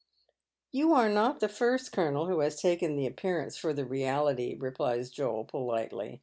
" You are not the first, colonel, who has taken the appearance for the reality," replies Joel, politely.